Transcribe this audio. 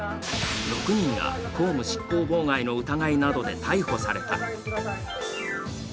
６人が公務執行妨害の疑いなどで逮捕された。